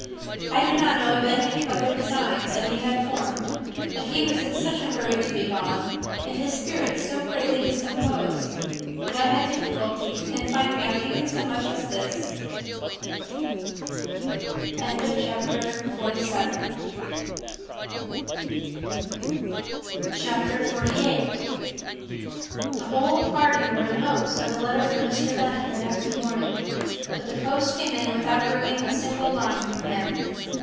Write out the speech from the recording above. I do not know of any other designs that he had formed; but he was in such a hurry to be gone, and his spirits so greatly discomposed, that I had difficulty in finding out even so much as this." [Illustration: The Post ] CHAPTER XLVIII. The whole party were in hopes of a letter from Mr. Bennet the next morning, but the post came in without bringing a single line from him.